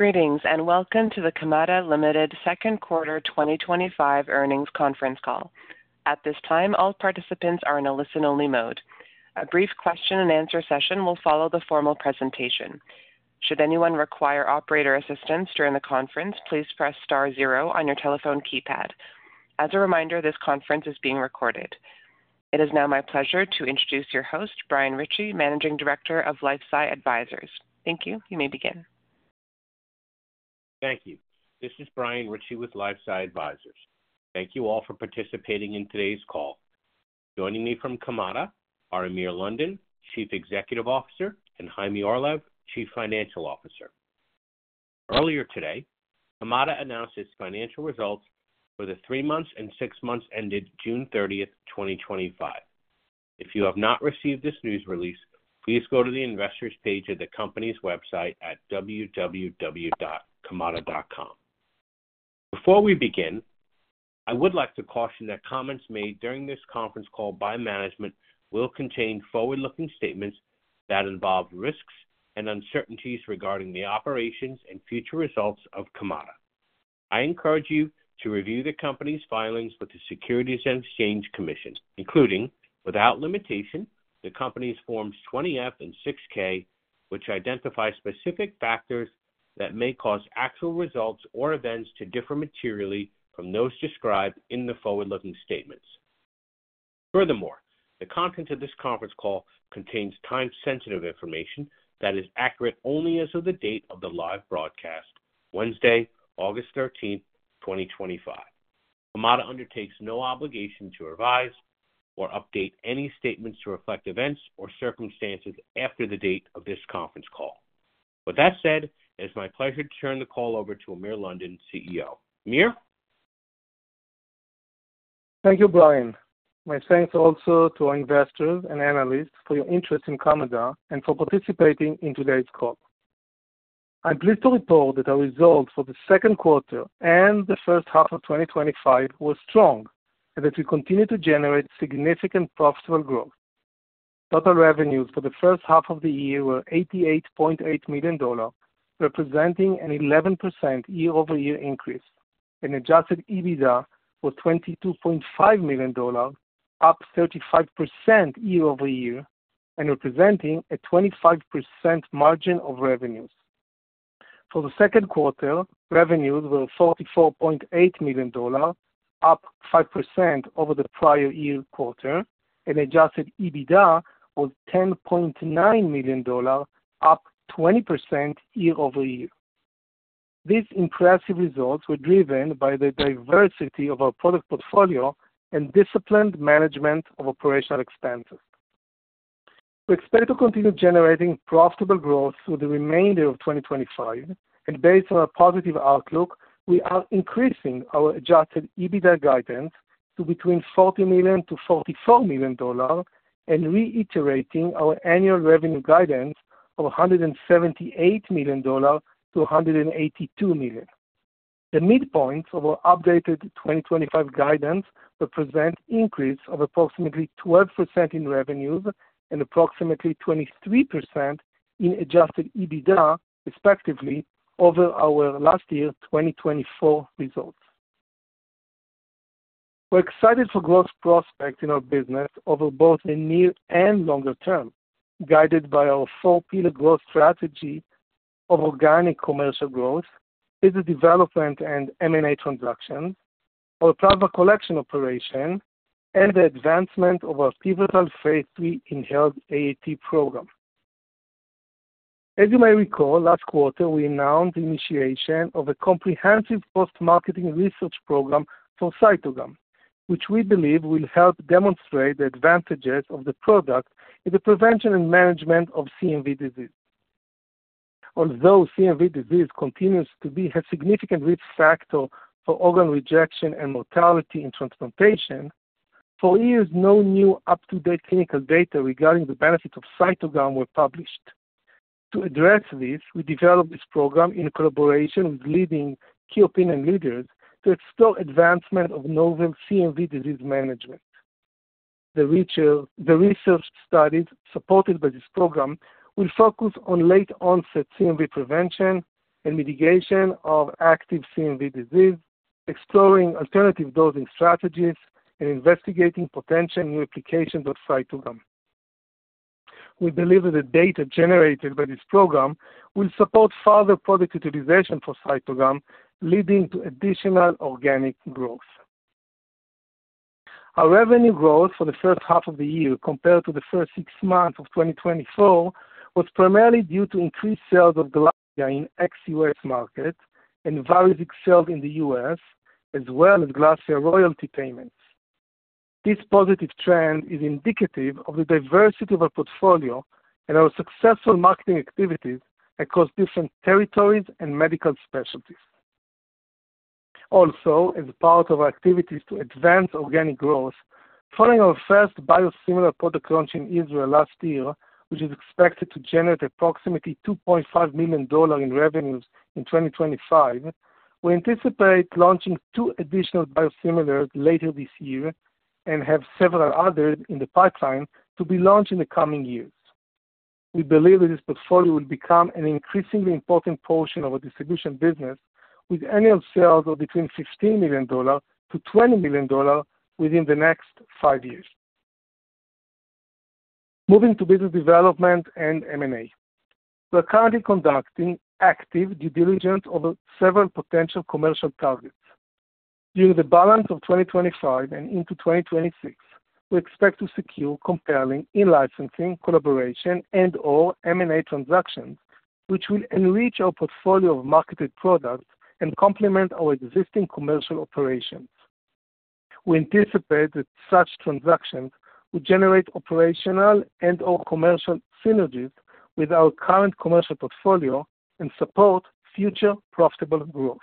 Greetings and welcome to the Kamada Ltd. Second Quarter 2025 Earnings Conference Call. At this time, all participants are in a listen-only mode. A brief question and answer session will follow the formal presentation. Should anyone require operator assistance during the conference, please press star zero on your telephone keypad. As a reminder, this conference is being recorded. It is now my pleasure to introduce your host, Brian Ritchie, Managing Director of LifeSci Advisors. Thank you. You may begin. Thank you. This is Brian Ritchie with LifeSci Advisors. Thank you all for participating in today's call. Joining me from Kamada are Amir London, Chief Executive Officer, and Chaime Orlev, Chief Financial Officer. Earlier today, Kamada announced its financial results for the three months and six months ended June 30th 2025. If you have not received this news release, please go to the investors' page of the company's website at www.kamada.com. Before we begin, I would like to caution that comments made during this conference call by management will contain forward-looking statements that involve risks and uncertainties regarding the operations and future results of Kamada I encourage you to review the company's filings with the Securities and Exchange Commission, including, without limitation, the company's Forms 20-F and 6-K, which identify specific factors that may cause actual results or events to differ materially from those described in the forward-looking statements. Furthermore, the content of this conference call contains time-sensitive information that is accurate only as of the date of the live broadcast, Wednesday, August 13th 2025. Kamada undertakes no obligation to revise or update any statements to reflect events or circumstances after the date of this conference call. With that said, it is my pleasure to turn the call over to Amir London, CEO. Amir? Thank you, Brian. My thanks also to our investors and analysts for your interest in Kamada and for participating in today's call. I'm pleased to report that our results for the second quarter and the first half of 2025 were strong and that we continue to generate significant profitable growth. Total revenues for the first half of the year were $88.8 million, representing an 11% year-over-year increase, and adjusted EBITDA was $22.5 million, up 35% year-over-year and representing a 25% margin of revenues. For the second quarter, revenues were $44.8 million, up 5% over the prior year quarter, and adjusted EBITDA was $10.9 million, up 20% year-over-year. These impressive results were driven by the diversity of our product portfolio and disciplined management of operational expenses. We expect to continue generating profitable growth through the remainder of 2025, and based on a positive outlook, we are increasing our adjusted EBITDA guidance to between $40 million-$44 million and reiterating our annual revenue guidance of $178 million-$182 million. The midpoints of our updated 2025 guidance represent an increase of approximately 12% in revenues and approximately 23% in adjusted EBITDA, respectively, over our last year 2024 results. We're excited for growth prospects in our business over both the near and longer term, guided by our four-pillar growth strategy of organic commercial growth, business development and M&A transactions, our plasma collection operation, and the advancement of our pivotal phase III InnovAATe program. As you may recall, last quarter we announced the initiation of a comprehensive post-marketing research program for CYTOGAM, which we believe will help demonstrate the advantages of the product in the prevention and management of CMV disease. Although CMV disease continues to be a significant risk factor for organ rejection and mortality in transplantation, for years, no new up-to-date clinical data regarding the benefits of CYTOGAM were published. To address this, we developed this program in collaboration with leading Key Opinion Leaders to explore advancement of novel CMV disease management. The research studies supported by this program will focus on late-onset CMV prevention and mitigation of active CMV disease, exploring alternative dosing strategies, and investigating potential new applications of CYTOGAM. We believe that the data generated by this program will support further product utilization for CYTOGAM, leading to additional organic growth. Our revenue growth for the first half of the year compared to the first six months of 2024 was primarily due to increased sales of GLASSIA in the ex-U.S. market and various ex-sales in the U.S., as well as GLASSIA royalty payments. This positive trend is indicative of the diversity of our portfolio and our successful marketing activities across different territories and medical specialties. Also, as part of our activities to advance organic growth, following our first biosimilar product launch in Israel last year, which is expected to generate approximately $2.5 million in revenues in 2025, we anticipate launching two additional biosimilars later this year and have several others in the pipeline to be launched in the coming years. We believe that this portfolio will become an increasingly important portion of our distribution business, with annual sales of between $15 million-$20 million within the next five years. Moving to business development and M&A, we're currently conducting active due diligence over several potential commercial targets. During the balance of 2025 and into 2026, we expect to secure compelling e-licensing collaboration and/or M&A transactions, which will enrich our portfolio of marketed products and complement our existing commercial operations. We anticipate that such transactions would generate operational and/or commercial synergies with our current commercial portfolio and support future profitable growth.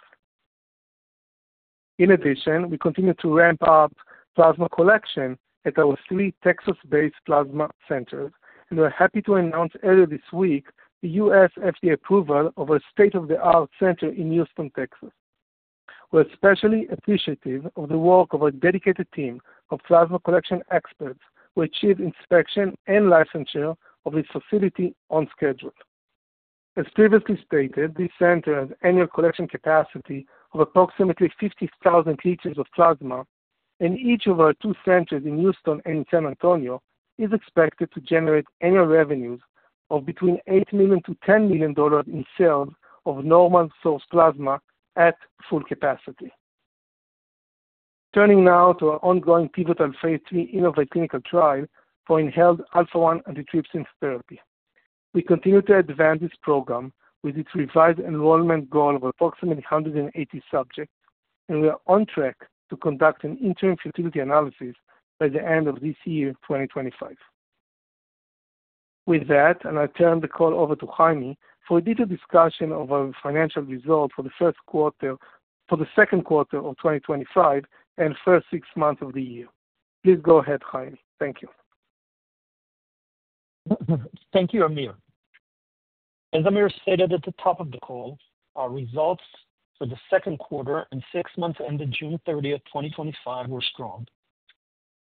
In addition, we continue to ramp up plasma collection at our three Texas-based plasma centers, and we're happy to announce earlier this week the U.S. FDA approval of our state-of-the-art center in Houston, Texas. We're especially appreciative of the work of our dedicated team of plasma collection experts who achieved inspection and licensure of this facility on schedule. As previously stated, this center has annual collection capacity of approximately 50,000 l of plasma, and each of our two centers in Houston and in San Antonio is expected to generate annual revenues of between $8 million-$10 million in sales of normal source plasma at full capacity. Turning now to our ongoing pivotal phase III InnovAATe clinical trial for inhaled Alpha-1 Antitrypsin therapy, we continue to advance this program with its revised enrollment goal of approximately 180 subjects, and we are on track to conduct an interim futility analysis by the end of this year, 2025. With that, I'll turn the call over to Chaime for a detailed discussion of our financial results for the first quarter of 2025 and the first six months of the year. Please go ahead, Chaime. Thank you. Thank you, Amir. As Amir stated at the top of the call, our results for the second quarter and six months ended June 30th 2025, were strong.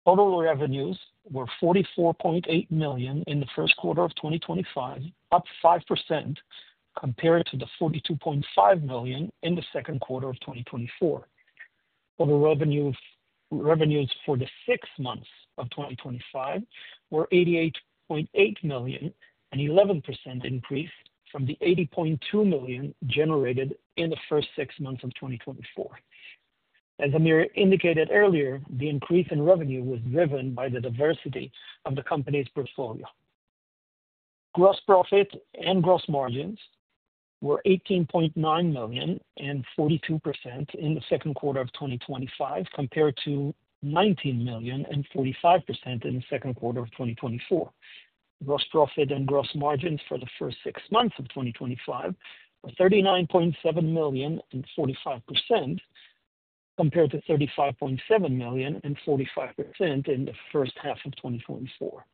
Total revenues were $44.8 million in the first quarter of 2025, up 5% compared to the $42.5 million in the second quarter of 2024. Total revenues for the six months of 2025 were $88.8 million, an 11% increase from the $80.2 million generated in the first six months of 2024. As Amir indicated earlier, the increase in revenue was driven by the diversity of the company's portfolio. Gross profit and gross margins were $18.9 million and 42% in the second quarter of 2025 compared to $19 million and 45% in the second quarter of 2024. Gross profit and gross margins for the first six months of 2025 were $39.7 million and 45% compared to $35.7 million and 45% in the first half of 2024.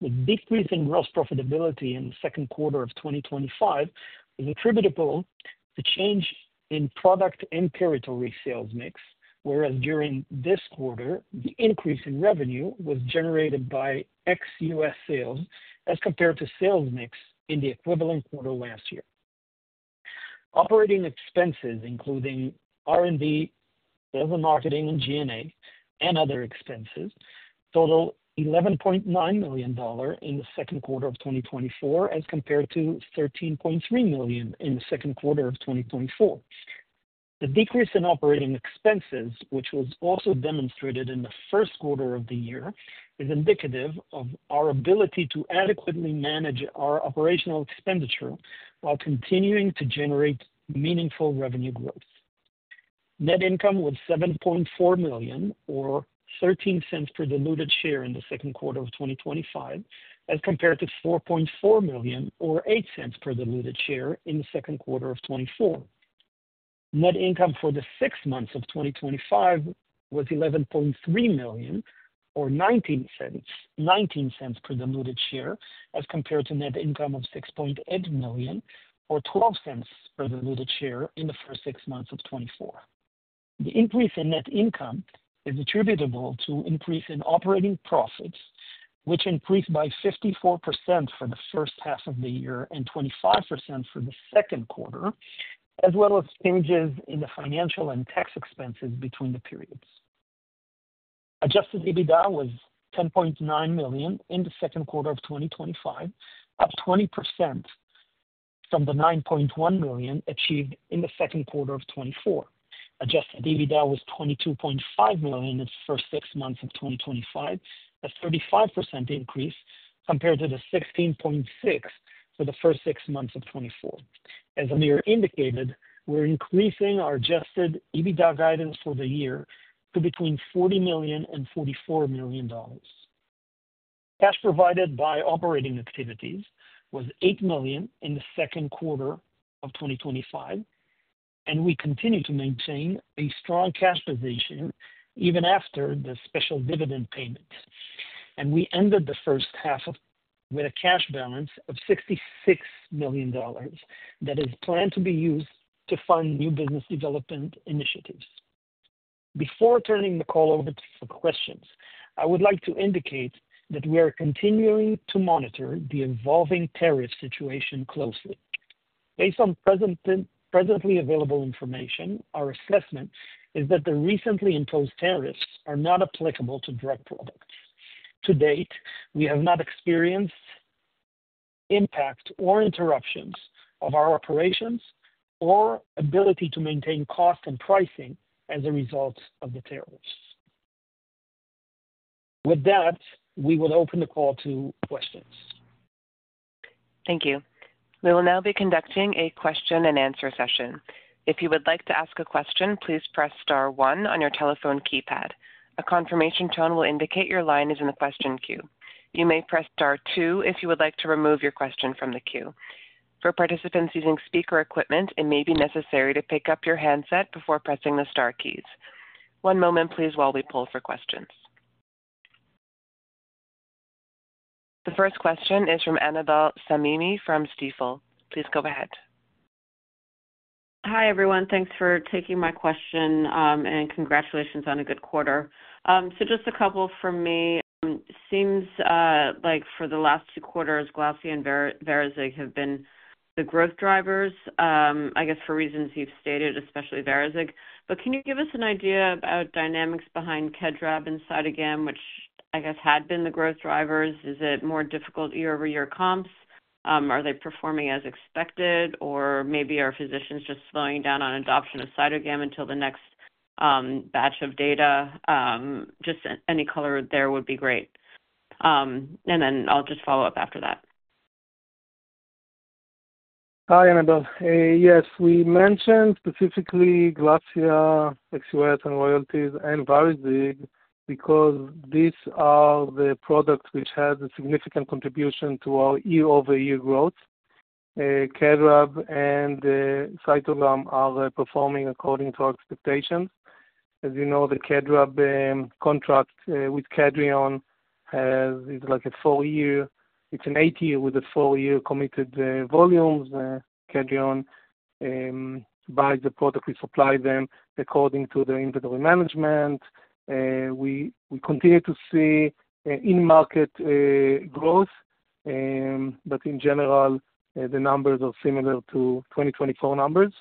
The decrease in gross profitability in the second quarter of 2025 is attributable to a change in product and territory sales mix, whereas during this quarter, the increase in revenue was generated by ex-U.S. sales as compared to sales mix in the equivalent quarter last year. Operating expenses, including R&D, sales and marketing, G&A, and other expenses, totaled $11.9 million in the second quarter of 2025 as compared to $13.3 million in the second quarter of 2024. The decrease in operating expenses, which was also demonstrated in the first quarter of the year, is indicative of our ability to adequately manage our operational expenditure while continuing to generate meaningful revenue growth. Net income was $7.4 million or $0.13 per diluted share in the second quarter of 2025 as compared to $4.4 million or $0.08 per diluted share in the second quarter of 2024. Net income for the six months of 2025 was $11.3 million or $0.19 per diluted share as compared to net income of $6.8 million or $0.12 per diluted share in the first six months of 2024. The increase in net income is attributable to an increase in operating profits, which increased by 54% for the first half of the year and 25% for the second quarter, as well as changes in the financial and tax expenses between the periods. Adjusted EBITDA was $10.9 million in the second quarter of 2025, up 20% from the $9.1 million achieved in the second quarter of 2024. Adjusted EBITDA was $22.5 million in the first six months of 2025, a 35% increase compared to the $16.6 million for the first six months of 2024. As Amir indicated, we're increasing our adjusted EBITDA guidance for the year to between $40 million and $44 million. Cost provided by operating activities was $8 million in the second quarter of 2025, and we continue to maintain a strong cash position even after the special dividend payments. We ended the first half of the year with a cash balance of $66 million that is planned to be used to fund new business development initiatives. Before turning the call over to questions, I would like to indicate that we are continuing to monitor the evolving tariff situation closely. Based on presently available information, our assessment is that the recently imposed tariffs are not applicable to direct products. To date, we have not experienced impact or interruptions of our operations or ability to maintain cost and pricing as a result of the tariffs. With that, we will open the call to questions. Thank you. We will now be conducting a question and answer session. If you would like to ask a question, please press star one on your telephone keypad. A confirmation tone will indicate your line is in the question queue. You may press star two if you would like to remove your question from the queue. For participants using speaker equipment, it may be necessary to pick up your handset before pressing the star keys. One moment, please, while we pull for questions. The first question is from Annabel Samimy from Stifel. Please go ahead. Hi, everyone. Thanks for taking my question and congratulations on a good quarter. Just a couple from me. It seems like for the last two quarters, GLASSIA and VARIZIG have been the growth drivers, I guess, for reasons you've stated, especially VARIZIG. Can you give us an idea about dynamics behind KedRAB and CYTOGAM, which I guess had been the growth drivers? Is it more difficult year-over-year comps? Are they performing as expected? Maybe physicians are just slowing down on adoption of CYTOGAM until the next batch of data? Any color there would be great. I'll just follow up after that. Hi, Annabel. Yes, we mentioned specifically GLASSIA, ex-U.S. and royalties, and VARIZIG because these are the products which had a significant contribution to our year-over-year growth. KedRAB and CYTOGAM are performing according to our expectations. As you know, the KedRAB contract with Kedrion is like a four-year. It's an eight-year with a four-year committed volume. Kedrion buys the product. We supply them according to the inventory management. We continue to see in-market growth, but in general, the numbers are similar to 2024 numbers.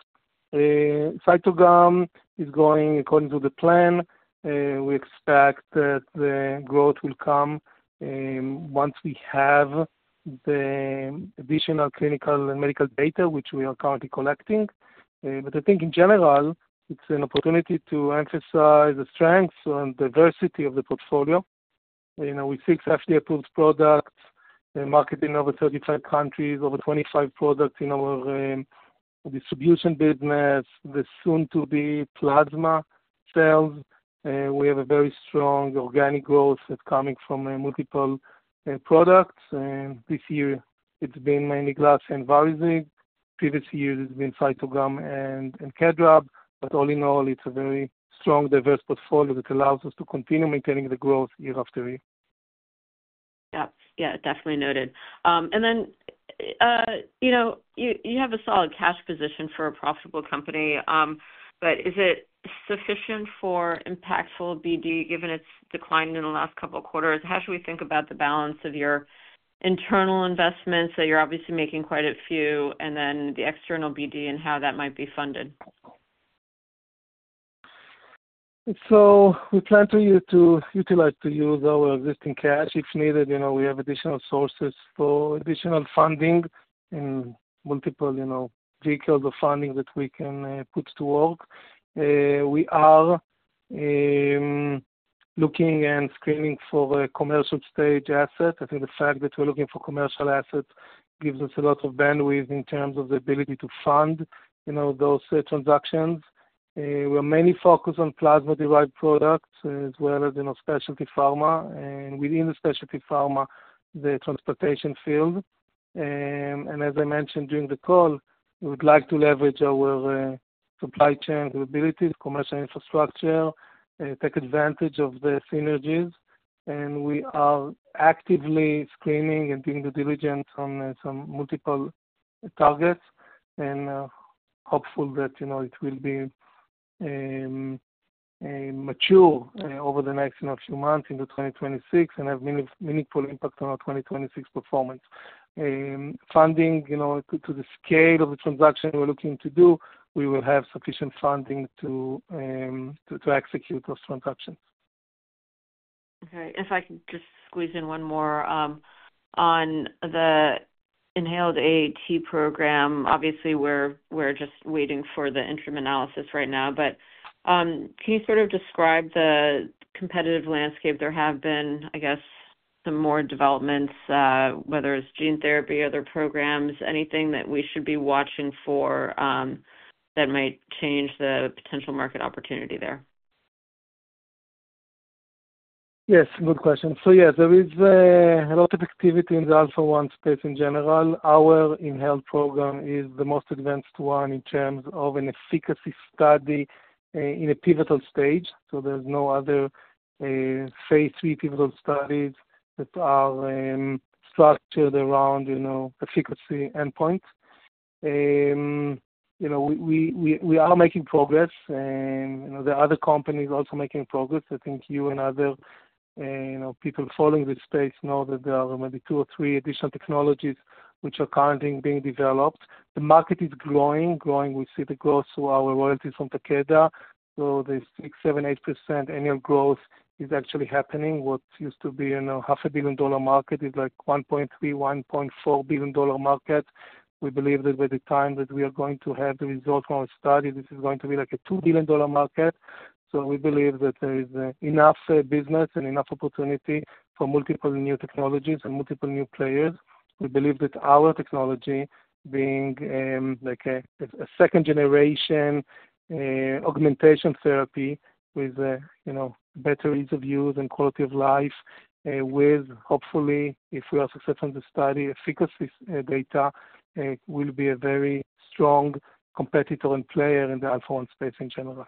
CYTOGAM is going according to the plan. We expect that the growth will come once we have the additional clinical and medical data, which we are currently collecting. I think in general, it's an opportunity to emphasize the strengths and diversity of the portfolio. We have six FDA-approved products marketed in over 35 countries, over 25 products in our distribution business, the soon-to-be plasma sales. We have a very strong organic growth that's coming from multiple products. This year, it's been mainly GLASSIA and VARIZIG. Previous years, it's been CYTOGAM and KedRAB. All in all, it's a very strong, diverse portfolio that allows us to continue maintaining the growth year after year. Yeah, definitely noted. You have a solid cash position for a profitable company, but is it sufficient for impactful BD given it's declined in the last couple of quarters? How should we think about the balance of your internal investments that you're obviously making quite a few, and the external BD and how that might be funded? We plan to utilize our existing cash. If needed, you know we have additional sources for additional funding and multiple vehicles of funding that we can put to work. We are looking and screening for a commercial stage asset. I think the fact that we're looking for commercial assets gives us a lot of bandwidth in terms of the ability to fund those transactions. We are mainly focused on plasma-derived products as well as specialty pharma, and within the specialty pharma, the transportation field. As I mentioned during the call, we would like to leverage our supply chain capabilities, commercial infrastructure, take advantage of the synergies, and we are actively screening and doing due diligence on some multiple targets and hopeful that it will mature over the next few months into 2026 and have meaningful impact on our 2026 performance. Funding, you know, to the scale of the transaction we're looking to do, we will have sufficient funding to execute those transactions. Okay. If I can just squeeze in one more on the inhaled AATe program, obviously, we're just waiting for the interim analysis right now. Can you sort of describe the competitive landscape? There have been, I guess, some more developments, whether it's gene therapy, other programs, anything that we should be watching for that might change the potential market opportunity there? Yes, good question. Yes, there is a lot of activity in the Alpha-1 space in general. Our inhaled program is the most advanced one in terms of an efficacy study in a pivotal stage. There are no other phase III pivotal studies that are structured around efficacy endpoints. We are making progress. There are other companies also making progress. I think you and other people following this space know that there are maybe two or three additional technologies which are currently being developed. The market is growing, growing. We see the growth through our royalties from Takeda. The 6%, 7%, 8% annual growth is actually happening. What used to be a $0.5 billion market is like a $1.3, $1.4 billion market. We believe that by the time that we are going to have the results from our studies, this is going to be like a $2 billion market. We believe that there is enough business and enough opportunity for multiple new technologies and multiple new players. We believe that our technology, being like a second-generation augmentation therapy with better ease of use and quality of life, with hopefully, if we are successful in the study, efficacy data will be a very strong competitor and player in the Alpha-1 space in general.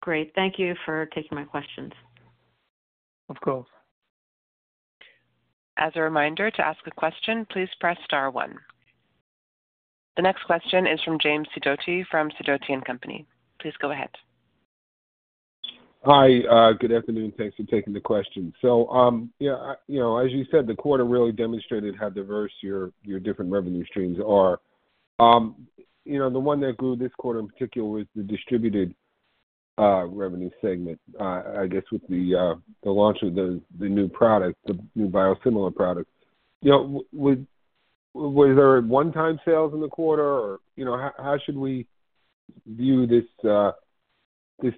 Great. Thank you for taking my questions. Of course. As a reminder, to ask a question, please press star one. The next question is from Jim Sidoti from Sidoti & Company. Please go ahead. Hi. Good afternoon. Thanks for taking the question. You know, as you said, the quarter really demonstrated how diverse your different revenue streams are. The one that grew this quarter in particular was the distributed revenue segment, I guess, with the launch of the new product, the new biosimilar product. Was there one-time sales in the quarter, or how should we view this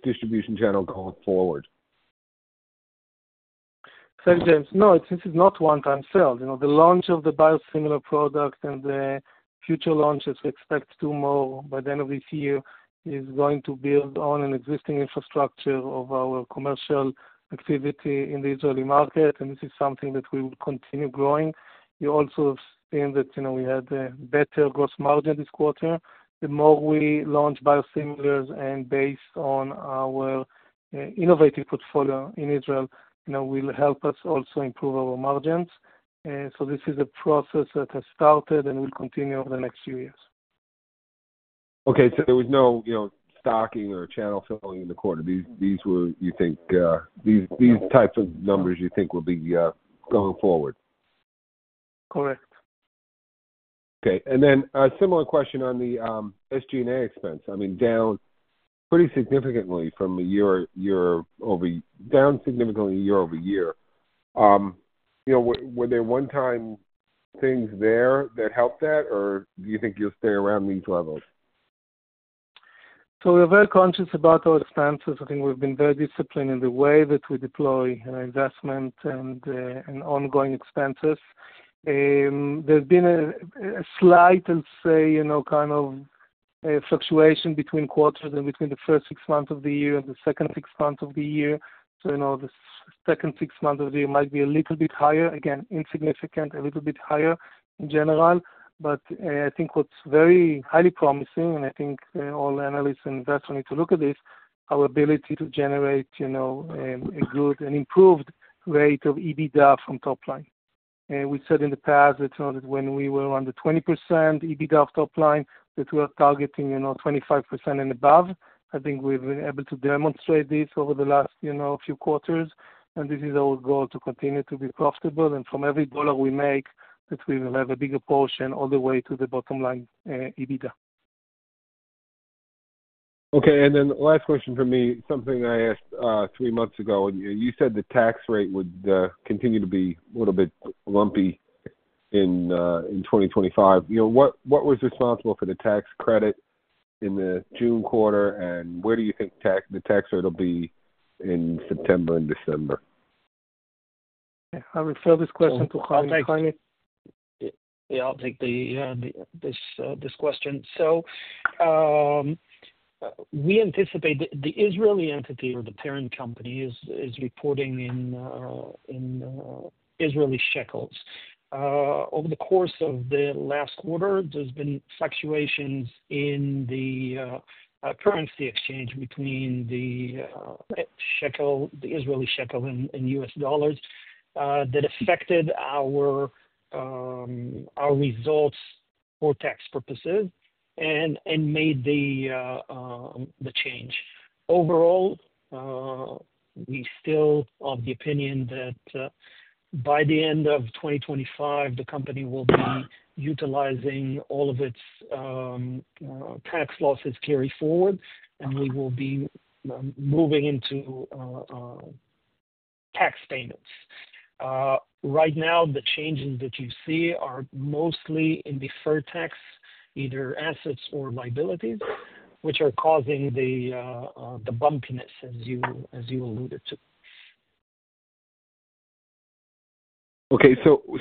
distribution channel going forward? No, this is not one-time sales. You know, the launch of the biosimilar product and the future launches we expect to do more by the end of this year is going to build on an existing infrastructure of our commercial activity in the Israeli market, and this is something that we will continue growing. You also have seen that we had a better gross margin this quarter. The more we launch biosimilars and based on our innovative portfolio in Israel, it will help us also improve our margins. This is a process that has started and will continue over the next few years. Okay. There was no stocking or channel filling in the quarter. These were, you think, these types of numbers you think will be going forward? Correct. Okay. A similar question on the SG&A expense. I mean, down pretty significantly year-over-year, down significantly year-over-year. Were there one-time things there that helped that, or do you think you'll stay around these levels? We are very conscious about our expenses. I think we've been very disciplined in the way that we deploy our investment and ongoing expenses. There's been a slight, I'd say, kind of fluctuation between quarters and between the first six months of the year and the second six months of the year. The second six months of the year might be a little bit higher, again, insignificant, a little bit higher in general. I think what's very highly promising, and I think all analysts and investors need to look at this, is our ability to generate, you know, a good and improved rate of EBITDA from top line. We've said in the past that when we were under 20% EBITDA of top line, that we are targeting, you know, 25% and above. I think we've been able to demonstrate this over the last, you know, few quarters, and this is our goal to continue to be profitable. From every dollar we make, we will have a bigger portion all the way to the bottom line EBITDA. Okay. The last question from me, something I asked three months ago. You said the tax rate would continue to be a little bit lumpy in 2025. What was responsible for the tax credit in the June quarter, and where do you think the tax rate will be in September and December? I'll refer this question to Chaime. I'll take this question. We anticipate that the Israeli entity or the parent company is reporting in Israeli shekels. Over the course of the last quarter, there's been fluctuations in the currency exchange between the Israeli shekel and US dollars that affected our results for tax purposes and made the change. Overall, we still are of the opinion that by the end of 2025, the company will be utilizing all of its tax losses carried forward, and we will be moving into tax payments. Right now, the changes that you see are mostly in deferred tax, either assets or liabilities, which are causing the bumpiness, as you alluded to. Okay.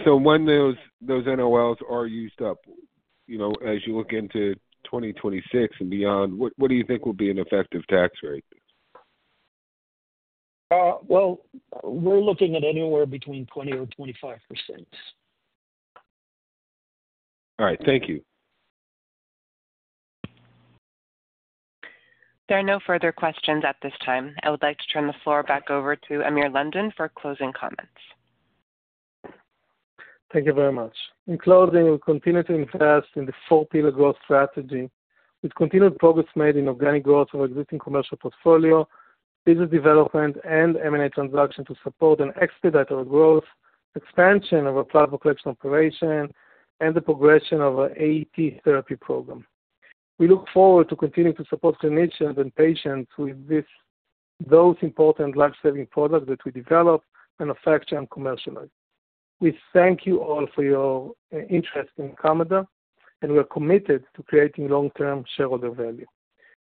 When those NOLs are used up, as you look into 2026 and beyond, what do you think will be an effective tax rate? We're looking at anywhere between 20% and 25%. All right. Thank you. There are no further questions at this time. I would like to turn the floor back over to Amir London for closing comments. Thank you very much. In closing, we continue to invest in the four-pillar growth strategy. With continued progress made in organic growth of existing commercial portfolio, business development, and M&A transactions to support and expedite our growth, expansion of our plasma collection operation, and the progression of our AATe therapy program, we look forward to continuing to support clinicians and patients with those important lifesaving products that we develop, manufacture, and commercialize. We thank you all for your interest in Kamada, and we are committed to creating long-term shareholder value.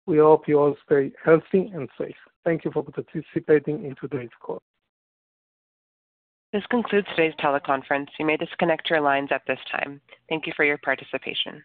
We hope you all stay healthy and safe. Thank you for participating in today's call. This concludes today's teleconference. You may disconnect your lines at this time. Thank you for your participation.